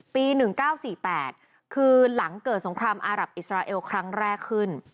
๑๙๔๘คือหลังเกิดสงครามอารับอิสราเอลครั้งแรกขึ้น